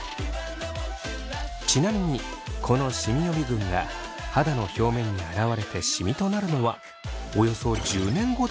ちなみにこのシミ予備軍が肌の表面に現れてシミとなるのはおよそ１０年後だといいます。